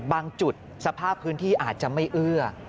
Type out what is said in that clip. บางจุดสภาพพื้นที่อาจจะไม่เอื้อ